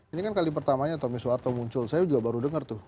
ini kan kali pertamanya tommy soeharto muncul saya juga baru dengar tuh